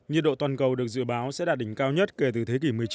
nhiệt độ toàn cầu được dự báo sẽ đạt đỉnh cao nhất kể từ thế kỷ một mươi chín